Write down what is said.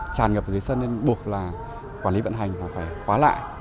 tràn ngập dưới sân nên buộc là quản lý vận hành phải khóa lại